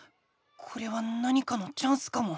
これは何かのチャンスかも。